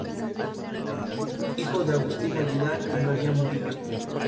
Hijo de Agustín Aguilar y María Murillo.